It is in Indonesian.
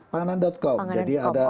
panganan com jadi ada